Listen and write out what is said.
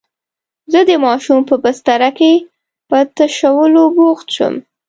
زه د ماشوم په بستره کې په تشولو بوخت شوم.